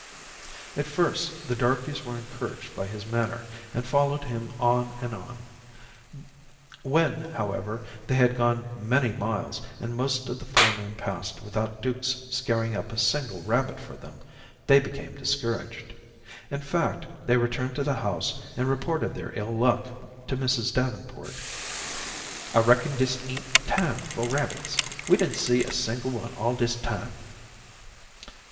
At first the darkies were encouraged by his manner, and followed him on and on. When, however, they had gone many miles, and most of the forenoon passed without Duke's scaring up a single rabbit for them, they became discouraged. In fact, they returned to the house and reported their ill luck to Mrs. Davenport. "I reckon dis ain't time for rabbits. We didn't see a single one all dis time."